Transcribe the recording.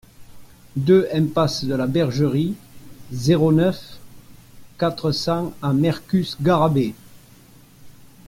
deux impasse de la Bergerie, zéro neuf, quatre cents à Mercus-Garrabet